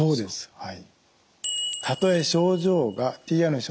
はい。